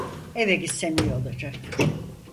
Eve gitsem iyi olacak.